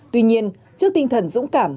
tuy nhiên trước tinh thần dũng cảm